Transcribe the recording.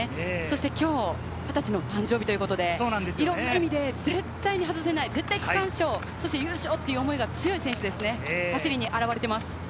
そしてきょう２０歳の誕生日ということで、いろんな意味で絶対に外せない、絶対に区間賞、優勝という思いが走りに表れています。